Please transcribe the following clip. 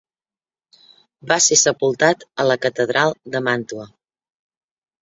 Va ser sepultat a la catedral de Màntua.